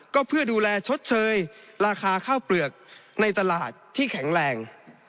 ก็เพื่อดูแลชดเชยราคาข้าวเปลือกในตลาดที่แข็งแรง